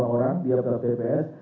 dua orang di atas tps